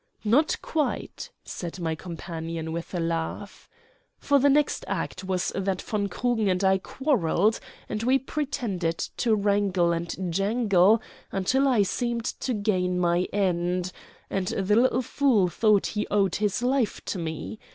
"Not quite," said my companion, with a laugh. "For the next act was that von Krugen and I quarrelled, and we pretended to wrangle and jangle until I seemed to gain my end, and the little fool thought he owed his life to me.